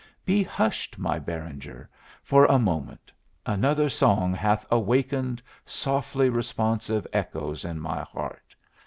Be hushed, my Beranger, for a moment; another song hath awakened softly responsive echoes in my heart!